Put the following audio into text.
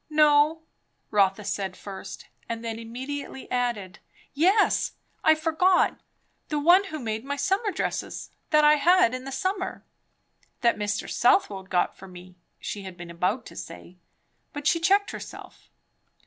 "No," Rotha said first, and then immediately added "Yes! I forgot; the one who made my summer dresses, that I had in the summer." That Mr. Southwode got for me, she had been about to say; but she checked herself.